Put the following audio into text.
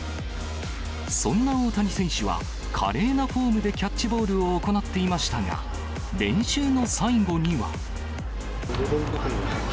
そんな大谷選手は、華麗なフォームでキャッチボールを行っていましたが、練習の最後には。